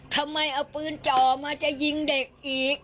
ทำไมเอาปืนจ่อมาจะยิงเด็กอีก